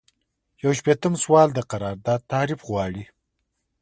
یو شپیتم سوال د قرارداد تعریف غواړي.